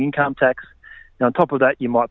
anda mulai membayar uang pendapatan pendapatan